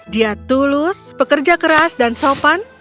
dia tulus pekerja keras dan sopan